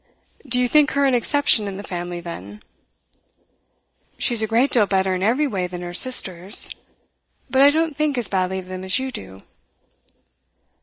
'Do you think her an exception in the family, then?' 'She's a great deal better in every way than her sisters. But I don't think as badly of them as you do.